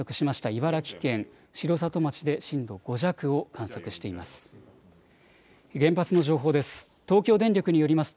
茨城県城里町で震度５弱を観測しています。